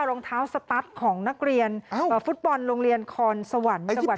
รองเท้าสตัสของนักเรียนฟุตบอลโรงเรียนคอนสวรรค์จังหวัด